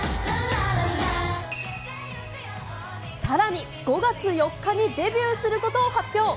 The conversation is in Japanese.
さらに、５月４日にデビューすることを発表。